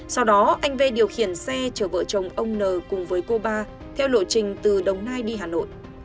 sau đó anh v điều khiển xe chở vợ chồng ông n cùng với cô ba theo lộ trình từ đồng nai đi hà nội